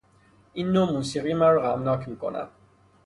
این نوع موسیقی مرا غمناک میکند.